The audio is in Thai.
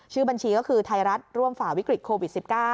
ชื่อบัญชีก็คือไทยรัฐร่วมฝ่าวิกฤตโควิด๑๙